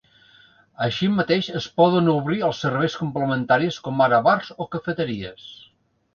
Així mateix, es poden obrir els serveis complementaris com ara bars o cafeteries.